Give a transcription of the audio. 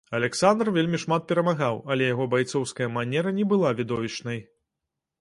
Аляксандр вельмі шмат перамагаў, але яго байцоўская манера не была відовішчнай.